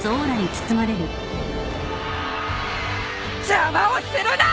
邪魔をするな！